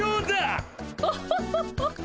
オホホホホ